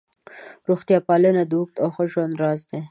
روغتیا پالنه د اوږد او ښه ژوند راز دی.